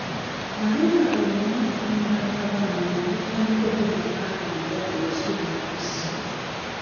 Nalunda obumyu okumala akabanga ne butandika okuddukana nga mbuwadde ebisubi ebibisi.